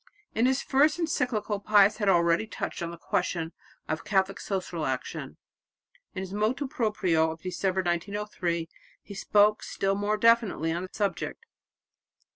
In his first encyclical Pius had already touched on the question of Catholic social action. In his motu proprio of December 1903 he spoke still more definitely on the subject.